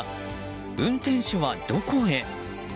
運転手はどこへ。